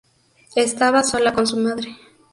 Estaba sola con su madre.